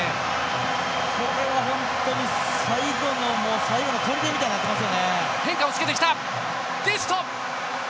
これは本当に最後の最後のとりでみたいになってます。